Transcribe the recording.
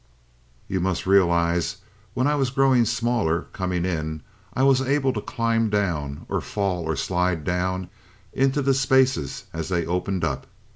"You must realize, when I was growing smaller, coming in, I was able to climb down, or fall or slide down, into the spaces as they opened up.